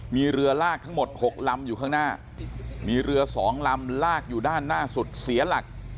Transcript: มีเรือลากทั้งหมด๖ลำอยู่ข้างหน้ามีเรือสองลำลากอยู่ด้านหน้าสุดเสียหลัก